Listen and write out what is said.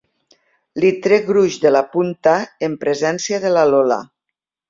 Li trec gruix de la punta en presència de la Lola.